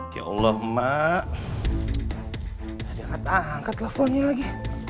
ya allah mak angkat teleponnya lagi